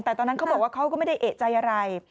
แต่ตอนนั้นเขาบอกว่าเขาก็ไม่ได้เอกใจอะไร